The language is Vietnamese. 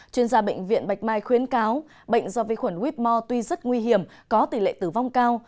chuyên gia bệnh viện bạch mai khuyến cáo bệnh do vi khuẩn whitmore tuy rất nguy hiểm có tỷ lệ tử vong cao